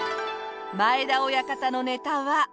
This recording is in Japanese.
前田親方のネタは。